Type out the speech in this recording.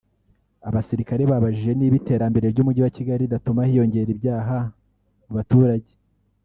Abasirikare babajije niba iterambere ry’Umujyi wa kigali ridatuma hiyongera ibyaha mu baturag